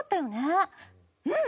うん！